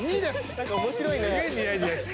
何か面白いね。